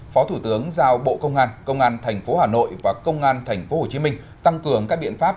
phó thủ tướng giao bộ công an công an tp hà nội và công an tp hồ chí minh tăng cường các biện pháp